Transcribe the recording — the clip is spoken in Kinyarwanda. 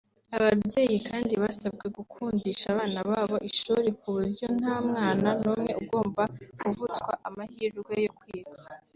Ababyeyi kandi basabwe gukundisha abana babo ishuri ku buryo nta mwana n’umwe ugomba kuvutswa amahirwe yo kwiga